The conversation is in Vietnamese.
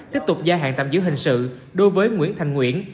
tiếp tục gia hạn tạm giữ hình sự đối với nguyễn thành nguyễn